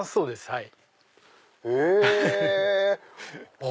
はい。